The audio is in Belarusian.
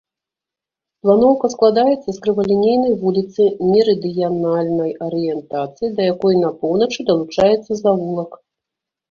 Планоўка складаецца з крывалінейнай вуліцы мерыдыянальнай арыентацыі, да якой на поўначы далучаецца завулак.